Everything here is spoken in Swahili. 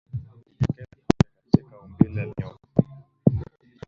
alijitokeza kwake katika umbile la nyoka